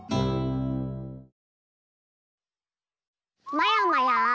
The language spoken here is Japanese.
まやまや！